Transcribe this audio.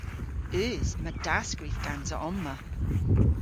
Eus, yma dasskrif gansa omma.